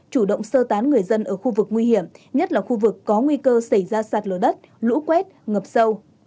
chủ động sơ tán người dân ở khu vực nguy hiểm nhất là khu vực có nguy cơ xảy ra sạt lở đất lũ quét ngập sâu